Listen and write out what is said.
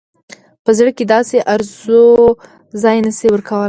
په زړه کې داسې آرزو ځای نه شي ورکولای.